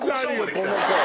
この子。